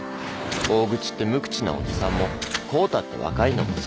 大口って無口なおじさんも公太って若いのもその筋だ。